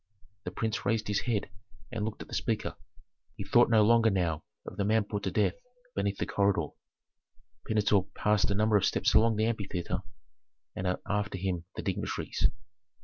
The prince raised his head and looked at the speaker. He thought no longer now of the man put to death beneath the corridor. Pentuer passed a number of steps along the amphitheatre, and after him the dignitaries.